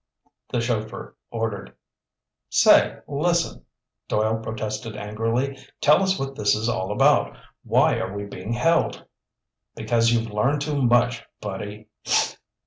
the chauffeur ordered. "Say, listen!" Doyle protested angrily, "Tell us what this is all about. Why are we being held?" "Because you've learned too much, buddy.